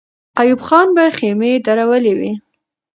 ایوب خان به خېمې درولې وې.